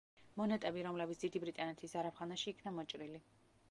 მონეტები, რომლებიც დიდი ბრიტანეთის ზარაფხანაში იქნა მოჭრილი.